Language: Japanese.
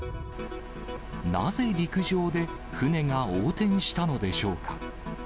なぜ陸上で船が横転したのでしょうか。